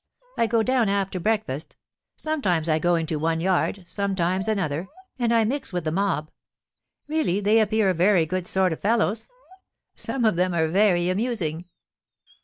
I go down after breakfast; sometimes I go into one yard, sometimes another, and I mix with the mob. Really they appear very good sort of fellows! Some of them are very amusing.